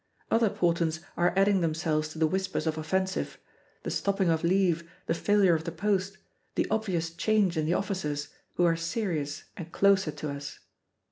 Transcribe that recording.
Other portents are adding themselves to the whispers of offensive the stopping of leave, the failure of the post, the obvious change in the officers, who are serious and closer to us.